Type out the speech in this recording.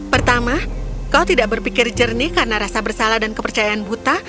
pertama kau tidak berpikir jernih karena rasa bersalah dan kepercayaan buta